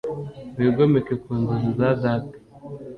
wigomeke ku nzozi za data